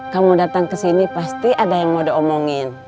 kamu datang kesini pasti ada yang mau diomongin